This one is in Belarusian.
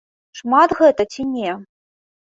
Шмат гэта ці не?